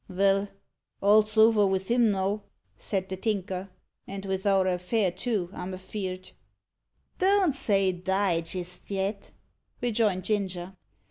"Vell, all's over vith him now," said the Tinker; "and vith our affair, too, I'm afeerd." "Don't say die jist yet," rejoined Ginger.